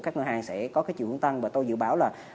các ngân hàng sẽ có cái chiều hướng tăng và tôi dự báo là